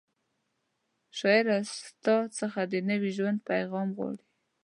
شاعره ستا څخه د نوي ژوند پیغام غواړي